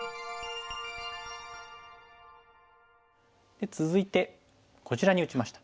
で続いてこちらに打ちました。